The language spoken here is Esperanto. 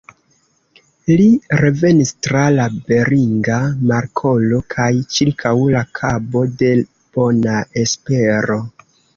Li revenis tra la Beringa Markolo kaj ĉirkaŭ la Kabo de Bona Espero.